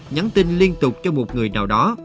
nhắn tin liên tục cho một người nào đó